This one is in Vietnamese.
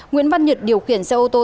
nguyễn văn nhật điều khiển xe ô tô